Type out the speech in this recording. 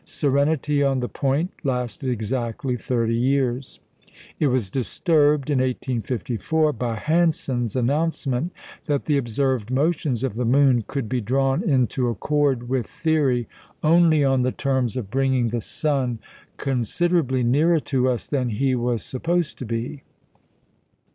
Serenity on the point lasted exactly thirty years. It was disturbed in 1854 by Hansen's announcement that the observed motions of the moon could be drawn into accord with theory only on the terms of bringing the sun considerably nearer to us than he was supposed to be.